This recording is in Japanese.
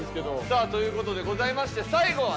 さあという事でございまして最後はですね